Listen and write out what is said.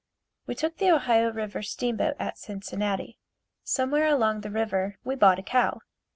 We took the Ohio River steam boat at Cincinnati. Somewhere along the river we bought a cow.